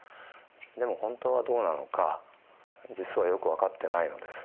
でも本当はどうなのか実はよく分かってないのです。